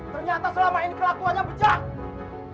ternyata selama ini keratuannya becak